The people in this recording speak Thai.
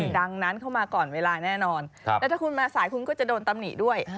ดังนั้นเข้ามาก่อนเวลาแน่นอนแล้วถ้าคุณมาสายคุณก็จะโดนตำหนิด้วย